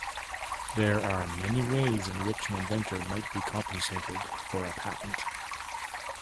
There are many ways in which an inventor might be compensated for a patent.